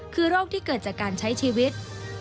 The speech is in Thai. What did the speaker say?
คือโรคที่เกิดจากการใช้ชีวิต